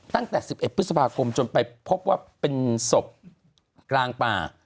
ตั้งแต่๑๑พฤษภาคมจนไปพบว่าเป็นศพกลางป่า